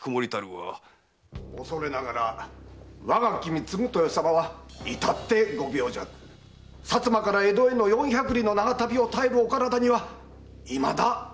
〔おそれながら我が君継豊様はいたってご病弱薩摩から江戸への四百里の長旅を耐えるお体には回復していません〕